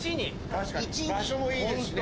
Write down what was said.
確かに場所もいいですしね。